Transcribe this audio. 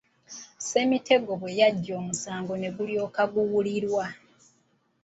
Ssemitego bwe yajja omusango ne gulyoka guwulirwa.